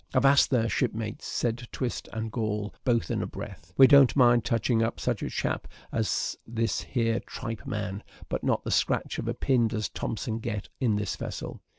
"Avast there, shipmates!" said Twist and Gall, both in a breath. "We don't mind touching up such a chap as this here tripeman; but not the scratch of a pin does Thompson get in this vessel.